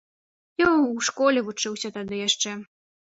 Я ў школе вучыўся тады яшчэ.